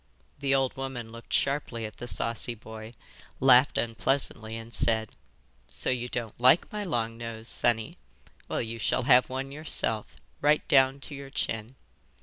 The old woman looked sharply at the saucy boy, laughed unpleasantly, and said: 'So you don't like my long nose, sonny? Well, you shall have one yourself, right down to your chin.